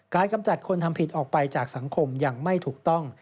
กำจัดคนทำผิดออกไปจากสังคมยังไม่ถูกต้อง